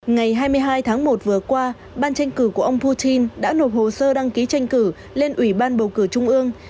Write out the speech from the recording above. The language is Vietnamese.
ngày hai mươi hai tháng một vừa qua ban tranh cử của ông putin đã nộp hồ sơ đăng ký tranh cử lên ủy ban bầu cử trung ương